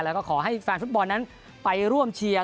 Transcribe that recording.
แล้วก็ขอให้แฟนฟุตบอลนั้นไปร่วมเชียร์